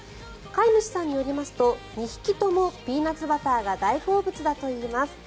飼い主さんによりますと２匹ともピーナツバターが大好物だといいます。